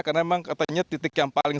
karena memang katanya titik yang paling